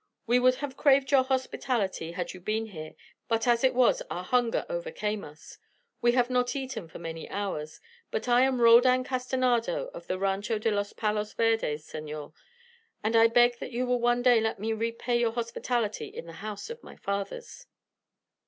We would have craved your hospitality had you been here, but as it was, our hunger overcame us: we have not eaten for many hours. But I am Roldan Castanada of the Rancho de los Palos Verdes, senor, and I beg that you will one day let me repay your hospitality in the house of my fathers."